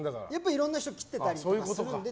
いろんな人を切ってたりするので。